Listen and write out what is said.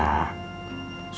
dalam rumah tangga